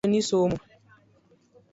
Amor kawinjo nisomo